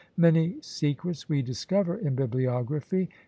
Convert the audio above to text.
Many secrets we discover in bibliography.